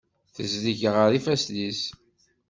Tezleg ger ifassen-is.